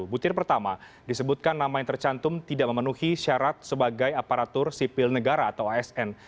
butir pertama disebutkan nama yang tercantum tidak memenuhi syarat sebagai aparatur sipil negara atau asn